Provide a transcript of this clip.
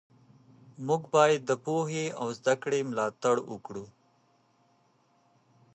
موږ باید د پوهې او زده کړې ملاتړ وکړو.